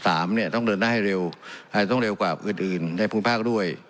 สามเนี่ยต้องเดินได้ให้เร็วหลายต้องเร็วกว่าอื่นอื่นในภูมิภาคด้วย